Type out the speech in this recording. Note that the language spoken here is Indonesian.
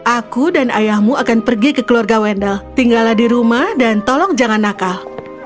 aku dan ayahmu akan pergi ke keluarga wendel tinggallah di rumah dan tolong jangan nakal